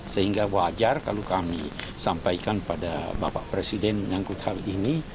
sehingga wajar kalau kami sampaikan pada bapak presiden menyangkut hal ini